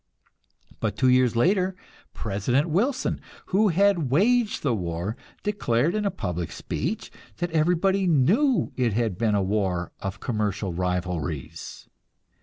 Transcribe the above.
But two years later President Wilson, who had waged the war, declared in a public speech that everybody knew it had been a war of commercial rivalries.